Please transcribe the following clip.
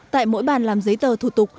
tại mỗi bàn làm giấy tờ thủ tục